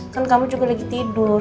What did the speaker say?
kan kamu juga lagi tidur